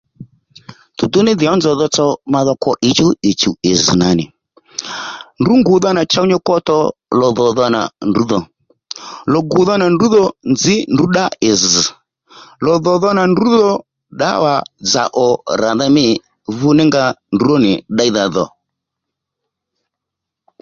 Dùdú ní dhì nzòw nì nzòw tsotso ma dho kwo ǐchú ì zz̀ nà nì ndrǔ ngùdha nà chow nyi kotò lò-dhòdha nà ndrǔ dho lò-gùdha nà ndrǔ dho nzǐ ndrǔ ddá ì zz̀ lò-dhòdha nà ndrǔ dho ddǎwà-dzà ò ràdha mǐ vúní nga ndrǔ nì ddéydha dhò